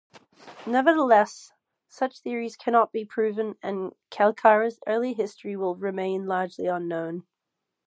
Nevertheless, such theories cannot be proven and Kalkara's early history will remain largely unknown.